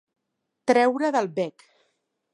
Treure del bec.